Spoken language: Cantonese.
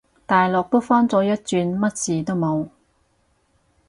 大陸都返咗一轉，乜事都冇